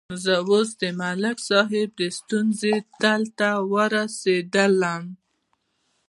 زه اوس د ملک صاحب د ستونزې تل ته ورسېدلم.